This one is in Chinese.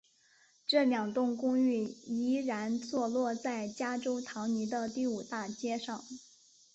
这两栋公寓依然坐落在加州唐尼的第五大街上。